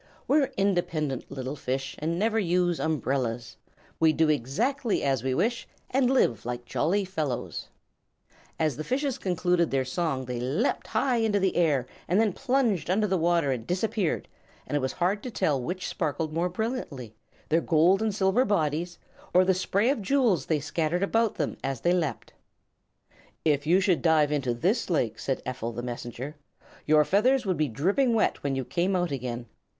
"We're independent little fish And never use umbrellas. We do exactly as we wish And live like jolly fellows." As the fishes concluded their song they leaped high into the air and then plunged under the water and disappeared, and it was hard to tell which sparkled most brilliantly, their gold and silver bodies or the spray of jewels they scattered about them as they leaped. "If you should dive into this lake," said Ephel the Messenger, "your feathers would be dripping wet when you came out again.